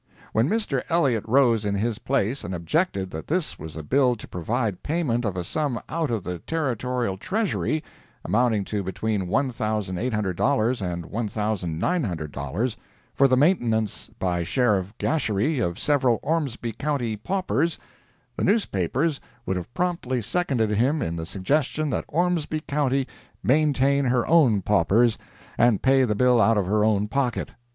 When Mr. Elliott rose in his place and objected that this was a bill to provide payment of a sum out of the Territorial Treasury, amounting to between $1,800 and $1,900, for the maintenance by Sheriff Gasherie, of several Ormsby county paupers, the newspapers would have promptly seconded him in the suggestion that Ormsby county maintain her own paupers, and pay the bill out of her own pocket.